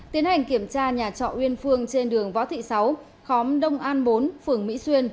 tiến hành kiểm tra nhà trọ uyên phương trên đường võ thị sáu khóm đông an bốn phường mỹ xuyên